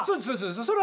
そうです。